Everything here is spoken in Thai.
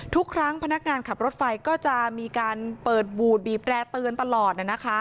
ทุกครั้งพนักงานขับรถไฟก็จะมีการเปิดบูดบีบแร่เตือนตลอด